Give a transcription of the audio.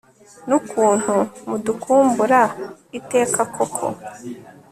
n ukuntu mudukumbura iteka koko